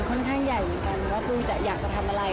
ค่อนข้างใหญ่เหมือนกันว่าปูจะอยากจะทำอะไร